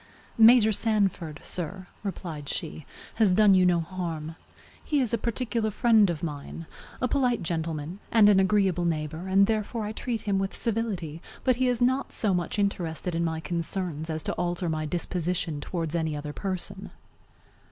"Major Sanford, sir," replied she, "has done you no harm. He is a particular friend of mine, a polite gentleman, and an agreeable neighbor, and therefore I treat him with civility; but he is not so much interested in my concerns as to alter my disposition towards any other person."